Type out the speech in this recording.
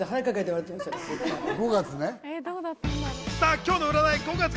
今日の占い、５月が